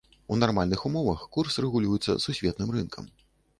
У нармальных умовах курс рэгулюецца сусветным рынкам.